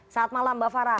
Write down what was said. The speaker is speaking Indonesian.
saat malam mbak farah